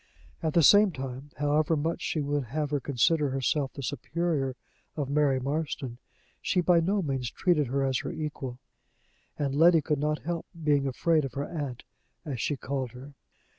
At the same time, however much she would have her consider herself the superior of Mary Marston, she by no means treated her as her own equal, and Letty could not help being afraid of her aunt, as she called her.